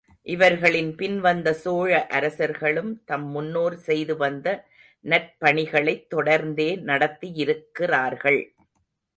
இவர்களின் பின் வந்த சோழ அரசர்களும் தம் முன்னோர் செய்து வந்த நற்பணிகளைத் தொடர்ந்தே நடத்தியிருக்கிறார்கள்.